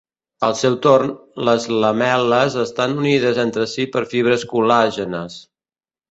Al seu torn, les lamel·les estan unides entre si per fibres col·làgenes.